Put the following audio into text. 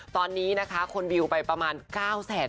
ตอนนี้คนวิวไปประมาณ๙๐๐ล้าน